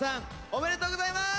おめでとうございます。